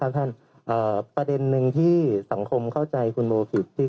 อ่าประเด็นหนึ่งที่สังคมเข้าใจคุณโหตได้ที่